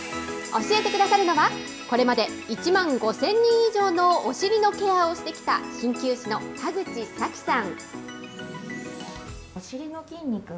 教えてくださるのは、これまで１万５０００人以上のお尻のケアをしてきた、しんきゅう師の田口咲さん。